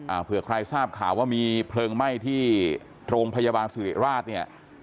เผื่อใครทราบข่าวว่ามีเพลิงไหม้ที่โรงพยาบาลสิริราชเนี่ย